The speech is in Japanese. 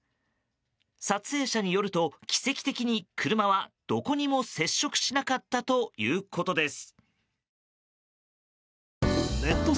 撮影者によると、奇跡的に車はどこにも接触しなかったということです。